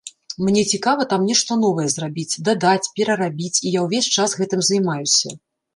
Мне цікава там нешта новае зрабіць, дадаць, перарабіць, і я ўвесь час гэтым займаюся.